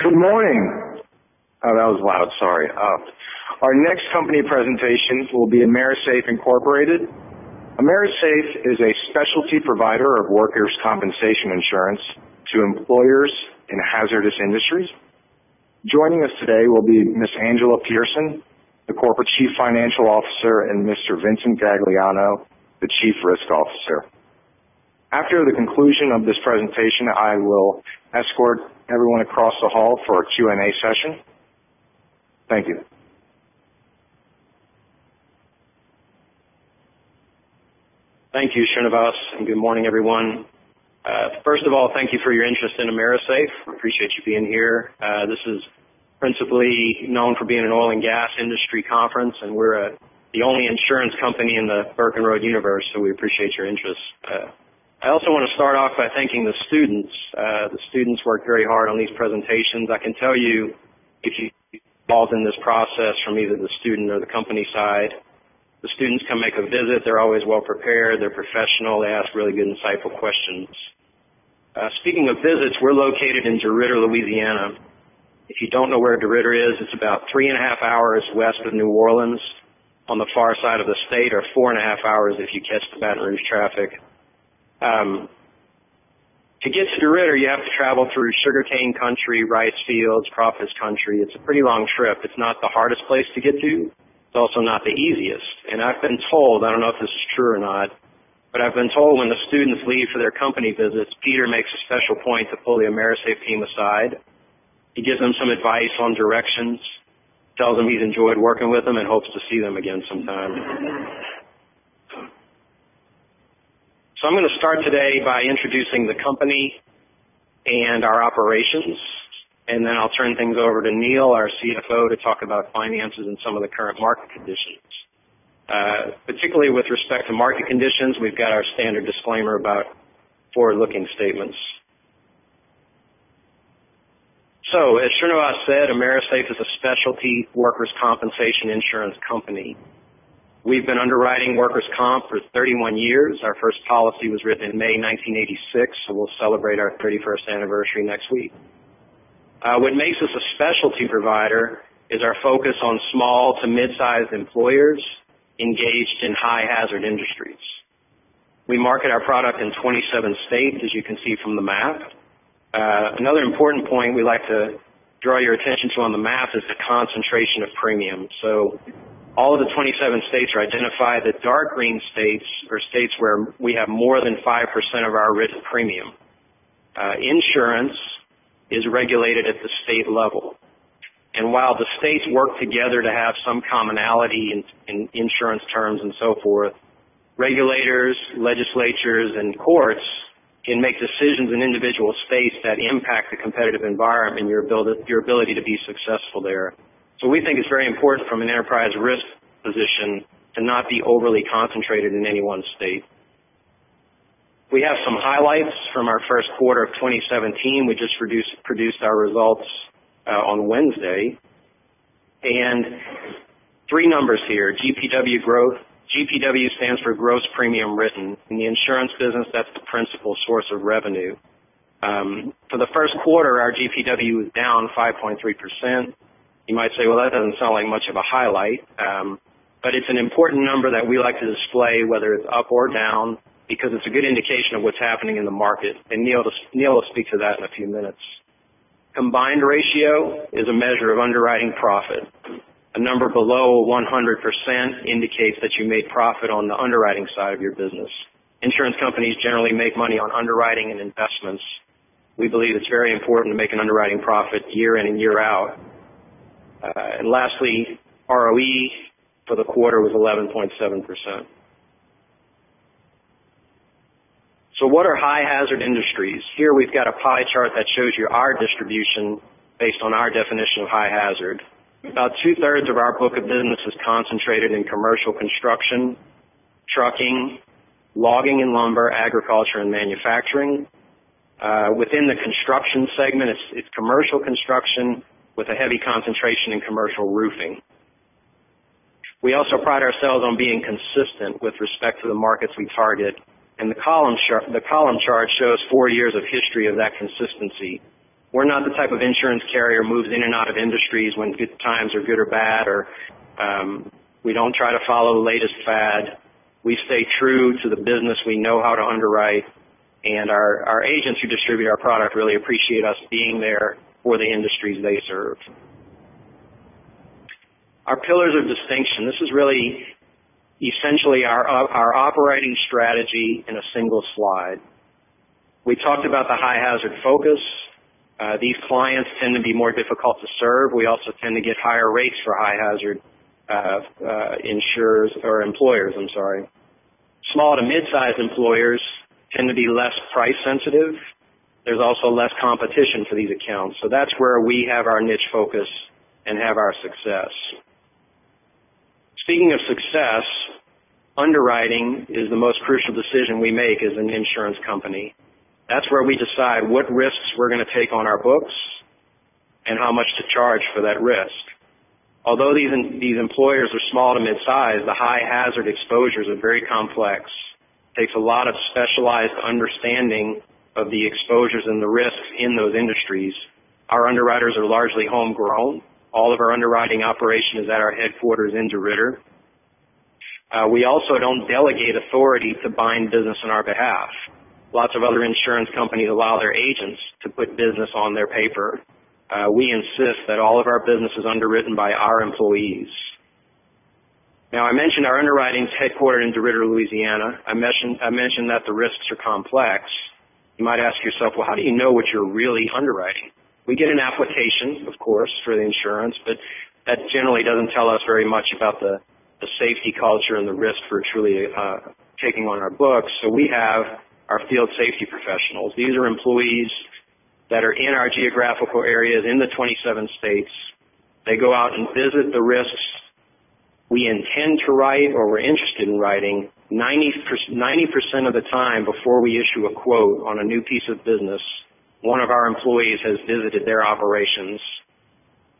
Good morning. Oh, that was loud, sorry. Our next company presentation will be AMERISAFE, Inc. AMERISAFE is a specialty provider of workers' compensation insurance to employers in hazardous industries. Joining us today will be Ms. Angela Pearson, the Corporate Chief Financial Officer, and Mr. Vincent Gagliano, the Chief Risk Officer. After the conclusion of this presentation, I will escort everyone across the hall for a Q&A session. Thank you. Thank you, Srinivas, and good morning, everyone. First of all, thank you for your interest in AMERISAFE. Appreciate you being here. This is principally known for being an oil and gas industry conference, and we're the only insurance company in the Burkenroad universe, so we appreciate your interest. I also want to start off by thanking the students. The students work very hard on these presentations. I can tell you, if you're involved in this process from either the student or the company side, the students come make a visit. They're always well-prepared. They're professional. They ask really good, insightful questions. Speaking of visits, we're located in DeRidder, Louisiana. If you don't know where DeRidder is, it's about three and a half hours west of New Orleans on the far side of the state, or four and a half hours if you catch the Baton Rouge traffic. To get to DeRidder, you have to travel through sugarcane country, rice fields, crawfish country. It's a pretty long trip. It's not the hardest place to get to. It's also not the easiest. I've been told, I don't know if this is true or not, but I've been told when the students leave for their company visits, Peter makes a special point to pull the AMERISAFE team aside. He gives them some advice on directions, tells them he's enjoyed working with them and hopes to see them again sometime. I'm going to start today by introducing the company and our operations, and then I'll turn things over to Neal, our CFO, to talk about finances and some of the current market conditions. Particularly with respect to market conditions, we've got our standard disclaimer about forward-looking statements. As Srinivas said, AMERISAFE is a specialty workers' compensation insurance company. We've been underwriting workers' comp for 31 years. Our first policy was written in May 1986, so we'll celebrate our 31st anniversary next week. What makes us a specialty provider is our focus on small to mid-size employers engaged in high-hazard industries. We market our product in 27 states, as you can see from the map. Another important point we like to draw your attention to on the map is the concentration of premium. All of the 27 states are identified. The dark green states are states where we have more than 5% of our written premium. Insurance is regulated at the state level. While the states work together to have some commonality in insurance terms and so forth, regulators, legislatures, and courts can make decisions in individual states that impact the competitive environment and your ability to be successful there. We think it's very important from an enterprise risk position to not be overly concentrated in any one state. We have some highlights from our first quarter of 2017. We just produced our results on Wednesday. Three numbers here. GPW growth. GPW stands for gross premium written. In the insurance business, that is the principal source of revenue. For the first quarter, our GPW was down 5.3%. You might say, "Well, that does not sound like much of a highlight." It is an important number that we like to display, whether it's up or down, because it's a good indication of what's happening in the market. Neal will speak to that in a few minutes. Combined ratio is a measure of underwriting profit. A number below 100% indicates that you made profit on the underwriting side of your business. Insurance companies generally make money on underwriting and investments. We believe it is very important to make an underwriting profit year in and year out. Lastly, ROE for the quarter was 11.7%. What are high-hazard industries? Here we have got a pie chart that shows you our distribution based on our definition of high hazard. About two-thirds of our book of business is concentrated in commercial construction, trucking, logging and lumber, agriculture, and manufacturing. Within the construction segment, it is commercial construction with a heavy concentration in commercial roofing. We also pride ourselves on being consistent with respect to the markets we target, the column chart shows four years of history of that consistency. We are not the type of insurance carrier who moves in and out of industries when times are good or bad. We do not try to follow the latest fad. We stay true to the business we know how to underwrite. Our agents who distribute our product really appreciate us being there for the industries they serve. Our pillars of distinction. This is really essentially our operating strategy in a single slide. We talked about the high hazard focus. These clients tend to be more difficult to serve. We also tend to get higher rates for high hazard insurers or employers, I'm sorry. Small to mid-size employers tend to be less price sensitive. There is also less competition for these accounts. That is where we have our niche focus and have our success. Speaking of success, underwriting is the most crucial decision we make as an insurance company. That is where we decide what risks we are going to take on our books and how much to charge for that risk. Although these employers are small to mid-size, the high hazard exposures are very complex. It takes a lot of specialized understanding of the exposures and the risks in those industries. Our underwriters are largely homegrown. All of our underwriting operation is at our headquarters in DeRidder. We also do not delegate authority to bind business on our behalf. Lots of other insurance companies allow their agents to put business on their paper. We insist that all of our business is underwritten by our employees. I mentioned our underwriting is headquartered in DeRidder, Louisiana. I mentioned that the risks are complex. You might ask yourself, "Well, how do you know what you are really underwriting?" We get an application, of course, for the insurance, but that generally does not tell us very much about the safety culture and the risk we are truly taking on our books. We have our field safety professionals. These are employees that are in our geographical areas in the 27 states. They go out and visit the risks we intend to write or we're interested in writing. 90% of the time before we issue a quote on a new piece of business, one of our employees has visited their operations.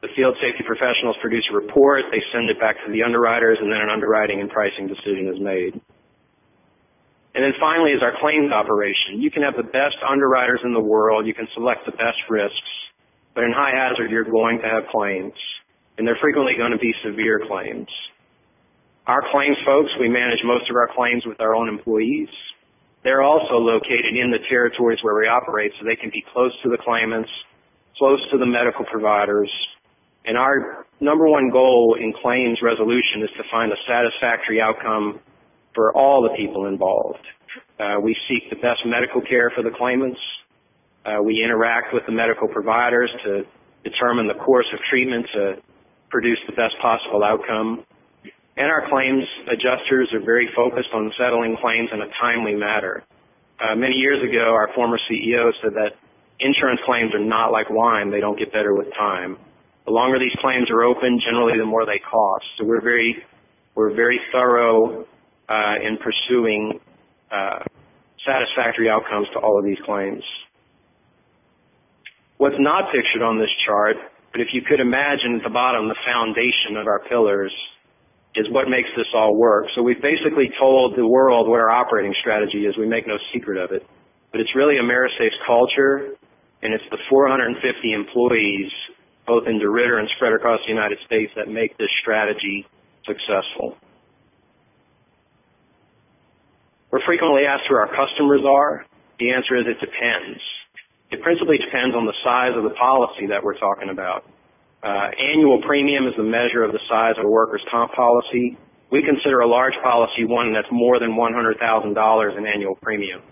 The field safety professionals produce a report, they send it back to the underwriters, an underwriting and pricing decision is made. Finally is our claims operation. You can have the best underwriters in the world, you can select the best risks, but in high hazard, you're going to have claims, and they're frequently going to be severe claims. Our claims folks, we manage most of our claims with our own employees. They're also located in the territories where we operate, so they can be close to the claimants, close to the medical providers. Our number one goal in claims resolution is to find a satisfactory outcome for all the people involved. We seek the best medical care for the claimants. We interact with the medical providers to determine the course of treatment to produce the best possible outcome. Our claims adjusters are very focused on settling claims in a timely manner. Many years ago, our former CEO said that insurance claims are not like wine. They don't get better with time. The longer these claims are open, generally, the more they cost. We're very thorough in pursuing satisfactory outcomes to all of these claims. What's not pictured on this chart, but if you could imagine at the bottom, the foundation of our pillars is what makes this all work. We've basically told the world what our operating strategy is. We make no secret of it. It's really AMERISAFE's culture, and it's the 450 employees, both in DeRidder and spread across the U.S., that make this strategy successful. We're frequently asked who our customers are. The answer is it depends. It principally depends on the size of the policy that we're talking about. Annual premium is the measure of the size of a workers' comp policy. We consider a large policy one that's more than $100,000 in annual premium.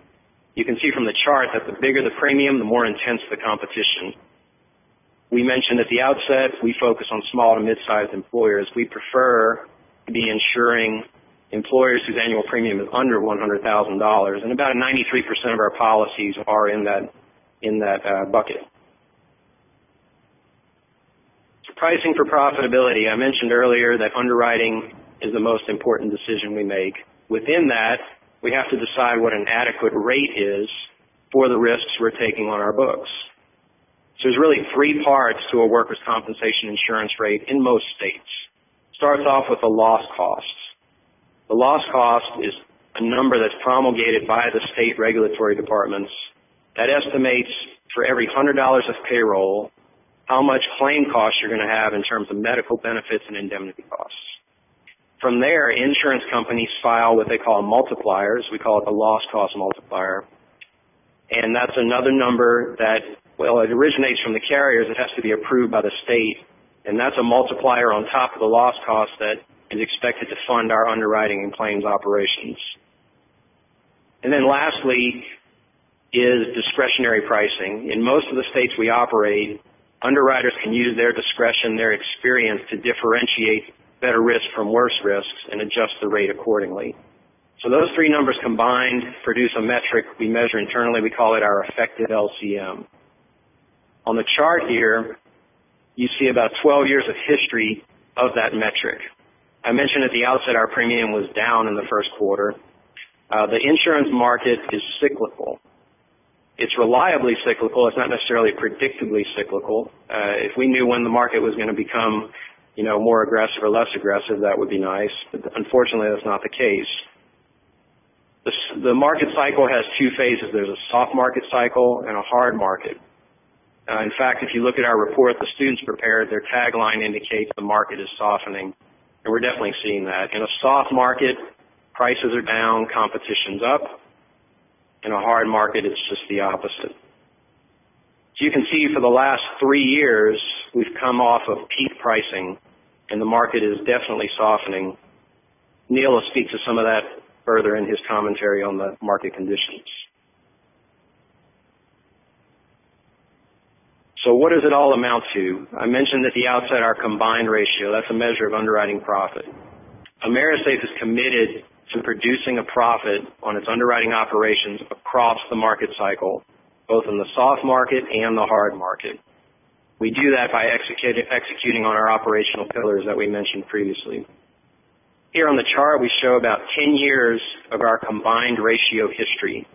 You can see from the chart that the bigger the premium, the more intense the competition. We mentioned at the outset, we focus on small to mid-sized employers. We prefer to be insuring employers whose annual premium is under $100,000, and about 93% of our policies are in that bucket. Pricing for profitability. I mentioned earlier that underwriting is the most important decision we make. Within that, we have to decide what an adequate rate is for the risks we're taking on our books. There's really three parts to a workers' compensation insurance rate in most states. Starts off with the loss costs. The loss cost is a number that's promulgated by the state regulatory departments that estimates for every $100 of payroll, how much claim costs you're going to have in terms of medical benefits and indemnity costs. From there, insurance companies file what they call multipliers. We call it the loss cost multiplier. That's another number that, well, it originates from the carriers. It has to be approved by the state, and that's a multiplier on top of the loss cost that is expected to fund our underwriting and claims operations. Lastly is discretionary pricing. In most of the states we operate, underwriters can use their discretion, their experience to differentiate better risks from worse risks and adjust the rate accordingly. Those three numbers combined produce a metric we measure internally. We call it our effective LCM. On the chart here, you see about 12 years of history of that metric. I mentioned at the outset, our premium was down in the first quarter. The insurance market is cyclical. It's reliably cyclical. It's not necessarily predictably cyclical. If we knew when the market was going to become more aggressive or less aggressive, that would be nice. Unfortunately, that's not the case. The market cycle has two phases. There's a soft market cycle and a hard market. In fact, if you look at our report the students prepared, their tagline indicates the market is softening, and we're definitely seeing that. In a soft market, prices are down, competition's up. In a hard market, it's just the opposite. You can see for the last three years, we've come off of peak pricing, and the market is definitely softening. Neal will speak to some of that further in his commentary on the market conditions. What does it all amount to? I mentioned at the outset our combined ratio. That's a measure of underwriting profit. AMERISAFE is committed to producing a profit on its underwriting operations across the market cycle, both in the soft market and the hard market. We do that by executing on our operational pillars that we mentioned previously. Here on the chart, we show about 10 years of our combined ratio history.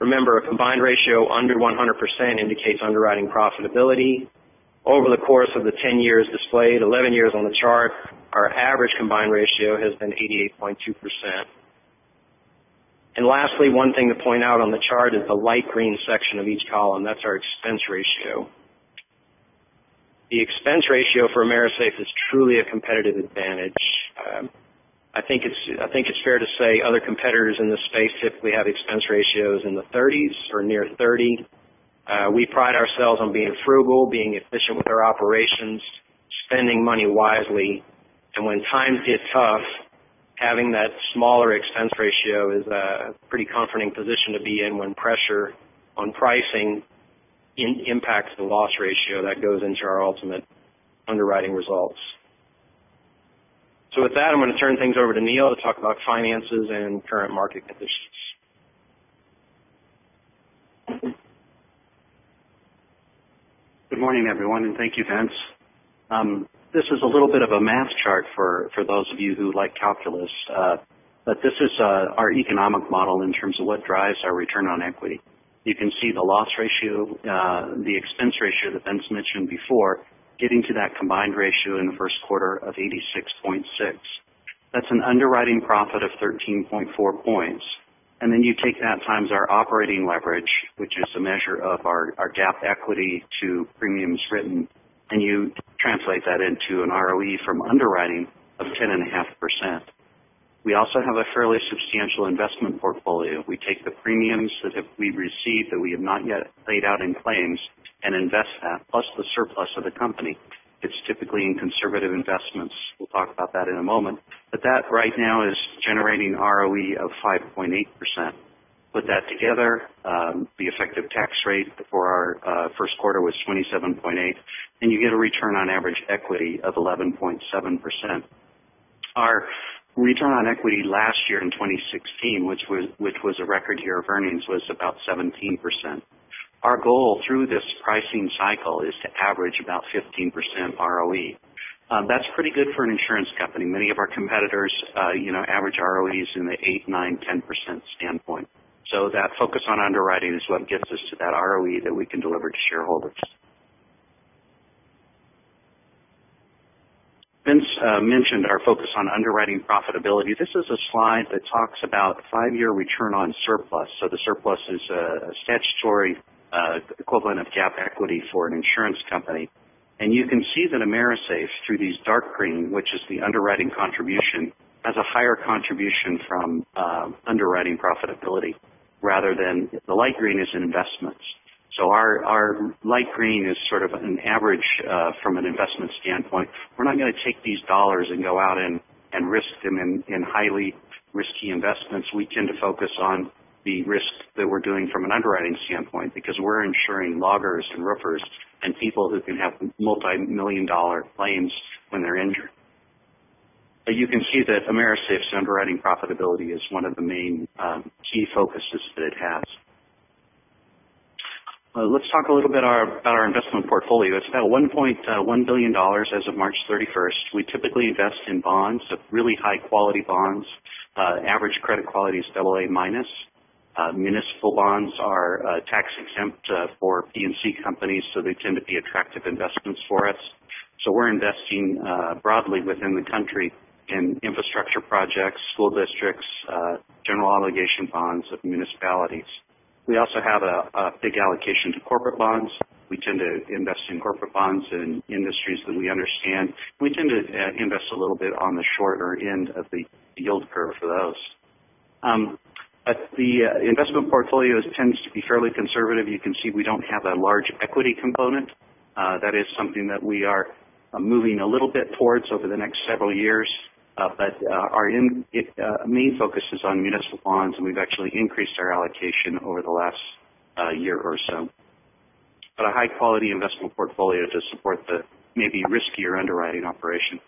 Remember, a combined ratio under 100% indicates underwriting profitability. Over the course of the 10 years displayed, 11 years on the chart, our average combined ratio has been 88.2%. Lastly, one thing to point out on the chart is the light green section of each column. That's our expense ratio. The expense ratio for AMERISAFE is truly a competitive advantage. I think it's fair to say other competitors in this space typically have expense ratios in the 30s or near 30. We pride ourselves on being frugal, being efficient with our operations, spending money wisely. When times get tough, having that smaller expense ratio is a pretty comforting position to be in when pressure on pricing impacts the loss ratio that goes into our ultimate underwriting results. With that, I'm going to turn things over to Neal to talk about finances and current market conditions. Good morning, everyone, and thank you, Vincent. This is a little bit of a math chart for those of you who like calculus. This is our economic model in terms of what drives our return on equity. You can see the loss ratio, the expense ratio that Vincent mentioned before, getting to that combined ratio in the first quarter of 86.6. That's an underwriting profit of 13.4 points. You take that times our operating leverage, which is a measure of our GAAP equity to premiums written, and you translate that into an ROE from underwriting of 10.5%. We also have a fairly substantial investment portfolio. We take the premiums that we've received that we have not yet paid out in claims and invest that, plus the surplus of the company. It's typically in conservative investments. We'll talk about that in a moment. That right now is generating ROE of 5.8%. Put that together, the effective tax rate for our first quarter was 27.8%, and you get a return on average equity of 11.7%. Our return on equity last year in 2016, which was a record year of earnings, was about 17%. Our goal through this pricing cycle is to average about 15% ROE. That's pretty good for an insurance company. Many of our competitors average ROEs in the eight%, nine%, 10% standpoint. That focus on underwriting is what gets us to that ROE that we can deliver to shareholders. Vince mentioned our focus on underwriting profitability. This is a slide that talks about five-year return on surplus. The surplus is a statutory equivalent of GAAP equity for an insurance company. You can see that AMERISAFE, through these dark green, which is the underwriting contribution, has a higher contribution from underwriting profitability rather than the light green is in investments. Our light green is sort of an average from an investment standpoint. We're not going to take these dollars and go out and risk them in highly risky investments. We tend to focus on the risk that we're doing from an underwriting standpoint because we're insuring loggers and roofers and people who can have multimillion-dollar claims when they're injured. You can see that AMERISAFE's underwriting profitability is one of the main key focuses that it has. Let's talk a little bit about our investment portfolio. It's about $1.1 billion as of March 31st. We typically invest in bonds, really high-quality bonds. Average credit quality is AA minus. Municipal bonds are tax-exempt for P&C companies, they tend to be attractive investments for us. We're investing broadly within the country in infrastructure projects, school districts, general obligation bonds of municipalities. We also have a big allocation to corporate bonds. We tend to invest in corporate bonds in industries that we understand. We tend to invest a little bit on the shorter end of the yield curve for those. The investment portfolio tends to be fairly conservative. You can see we don't have a large equity component. That is something that we are moving a little bit towards over the next several years. Our main focus is on municipal bonds, and we've actually increased our allocation over the last year or so. A high-quality investment portfolio to support the maybe riskier underwriting operation.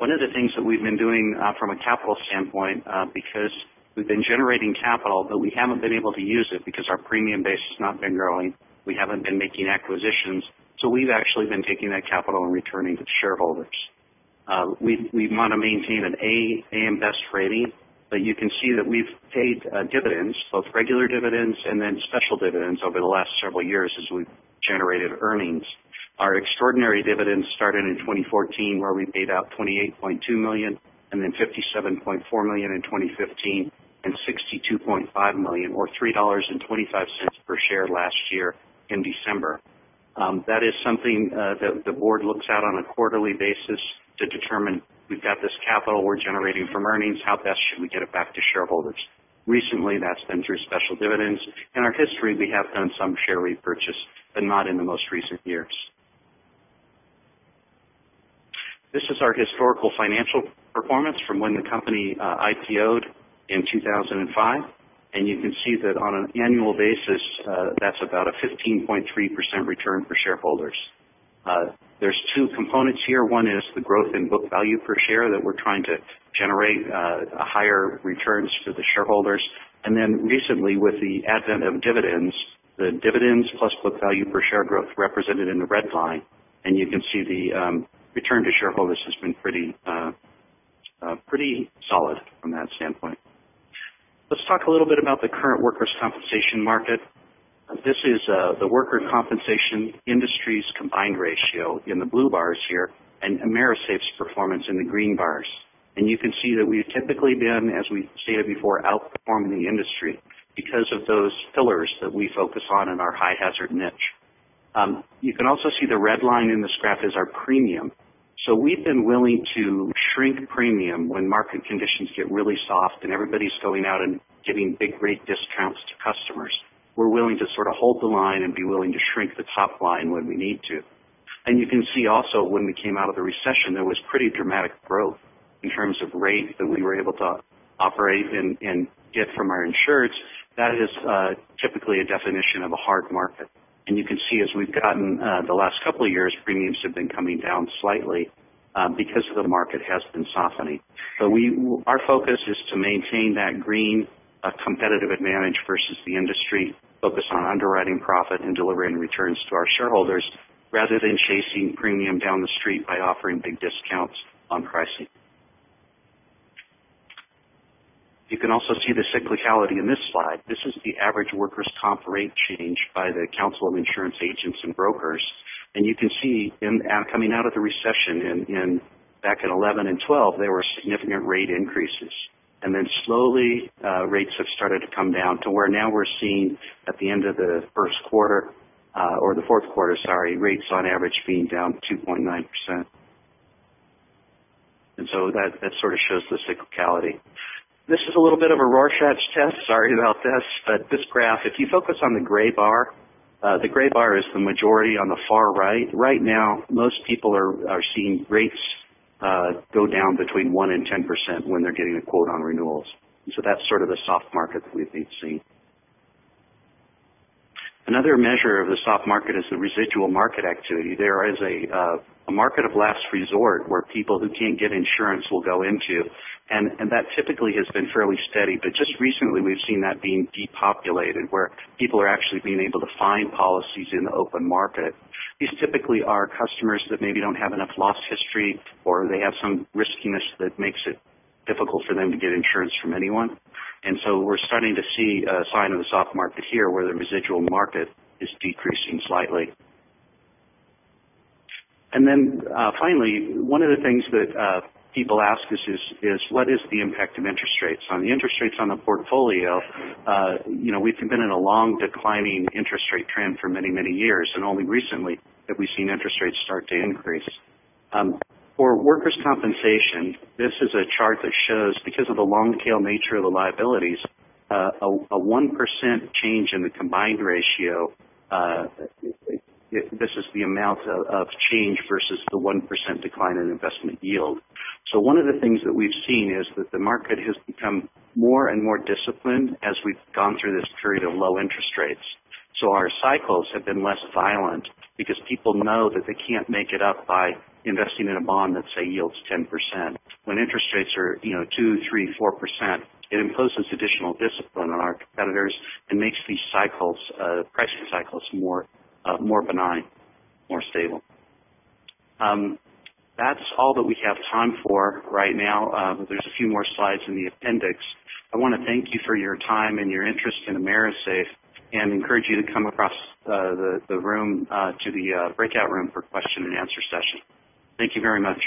One of the things that we've been doing from a capital standpoint because we've been generating capital, but we haven't been able to use it because our premium base has not been growing. We haven't been making acquisitions. We've actually been taking that capital and returning to the shareholders. We want to maintain an A A.M. Best rating, you can see that we've paid dividends, both regular dividends and then special dividends over the last several years as we've generated earnings. Our extraordinary dividends started in 2014, where we paid out $28.2 million, and then $57.4 million in 2015, and $62.5 million, or $3.25 per share last year in December. That is something that the board looks at on a quarterly basis to determine, we've got this capital we're generating from earnings. How best should we get it back to shareholders? Recently, that's been through special dividends. In our history, we have done some share repurchase, but not in the most recent years. This is our historical financial performance from when the company IPO'd in 2005, and you can see that on an annual basis, that's about a 15.3% return for shareholders. There's two components here. One is the growth in book value per share that we're trying to generate higher returns for the shareholders. Recently, with the advent of dividends. The dividends plus book value per share growth represented in the red line, and you can see the return to shareholders has been pretty solid from that standpoint. Let's talk a little bit about the current workers' compensation market. This is the workers' compensation industry's combined ratio in the blue bars here, and AMERISAFE's performance in the green bars. You can see that we've typically been, as we've stated before, outperforming the industry because of those pillars that we focus on in our high hazard niche. You can also see the red line in this graph is our premium. We've been willing to shrink premium when market conditions get really soft and everybody's going out and giving big rate discounts to customers. We're willing to sort of hold the line and be willing to shrink the top line when we need to. You can see also when we came out of the recession, there was pretty dramatic growth in terms of rate that we were able to operate and get from our insureds. That is typically a definition of a hard market. You can see as we've gotten the last couple of years, premiums have been coming down slightly because the market has been softening. Our focus is to maintain that green competitive advantage versus the industry focus on underwriting profit and delivering returns to our shareholders rather than chasing premium down the street by offering big discounts on pricing. You can also see the cyclicality in this slide. This is the average workers' comp rate change by The Council of Insurance Agents & Brokers. You can see coming out of the recession back in 2011 and 2012, there were significant rate increases. Then slowly, rates have started to come down to where now we're seeing at the end of the first quarter, or the fourth quarter, sorry, rates on average being down 2.9%. That sort of shows the cyclicality. This is a little bit of a Rorschach test. Sorry about this. This graph, if you focus on the gray bar, the gray bar is the majority on the far right. Right now, most people are seeing rates go down between 1% and 10% when they're getting a quote on renewals. That's sort of the soft market that we've been seeing. Another measure of the soft market is the residual market activity. There is a market of last resort where people who can't get insurance will go into, and that typically has been fairly steady. Just recently, we've seen that being depopulated, where people are actually being able to find policies in the open market. These typically are customers that maybe don't have enough loss history, or they have some riskiness that makes it difficult for them to get insurance from anyone. We're starting to see a sign of the soft market here, where the residual market is decreasing slightly. Finally, one of the things that people ask us is, what is the impact of interest rates on the interest rates on the portfolio? We've been in a long declining interest rate trend for many, many years, and only recently have we seen interest rates start to increase. For workers' compensation, this is a chart that shows, because of the long-tail nature of the liabilities, a 1% change in the combined ratio. This is the amount of change versus the 1% decline in investment yield. One of the things that we've seen is that the market has become more and more disciplined as we've gone through this period of low interest rates. Our cycles have been less violent because people know that they can't make it up by investing in a bond that, say, yields 10%. When interest rates are 2, 3, 4%, it imposes additional discipline on our competitors and makes these pricing cycles more benign, more stable. That's all that we have time for right now. There's a few more slides in the appendix. I want to thank you for your time and your interest in AMERISAFE and encourage you to come across the room to the breakout room for a question and answer session. Thank you very much